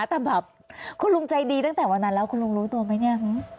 แต่แบบคุณลุงใจดีตั้งแต่วันนั้นแล้วคุณลุงรู้ตัวไหมเนี่ย